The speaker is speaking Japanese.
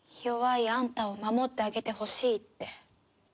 弱いあんたを守ってあげてほしいって。